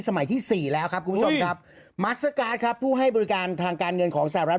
สมัยที่สี่แล้วครับคุณผู้ชมครับครับผู้ให้บริการทางการเงินของสหรัฐ